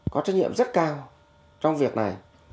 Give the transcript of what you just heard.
có trách nhiệm rất cao trong việc này